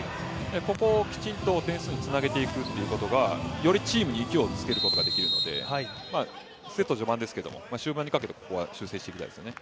ここをきちんと点数につなげていくことがよりチームに勢いをつけることができるのでセット序盤ですが終盤にかけて、ここは修正していきたいですね。